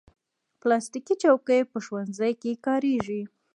پلاستيکي چوکۍ په ښوونځیو کې کارېږي.